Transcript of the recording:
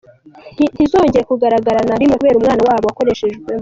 ntizongere kugaragara na rimwe kubera umwana wabo wakoreshejwemo.